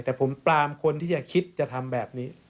แต่ผมปรามคนที่จะคิดจะทำแบบนี้